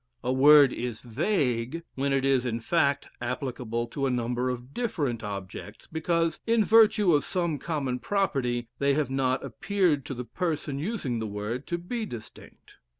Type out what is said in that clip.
A word is vague when it is in fact applicable to a number of different objects because, in virtue of some common property, they have not appeared, to the person using the word, to be distinct.